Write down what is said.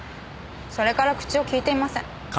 それから口を利いていません。